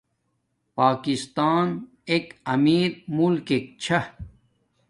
پاکستان ایک امیر مولکک چھا